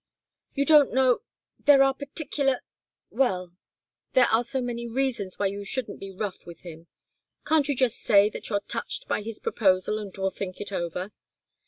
"You don't know there are particular well, there are so many reasons why you shouldn't be rough with him. Can't you just say that you're touched by his proposal and will think it over?"